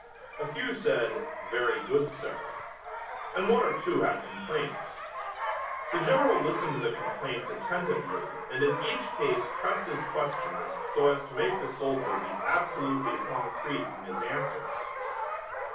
A few said, "Very good, sir." And one or two had complaints. The General listened to the complaints attentively and in each case pressed his questions so as to make the soldier be absolutely concrete in his answers.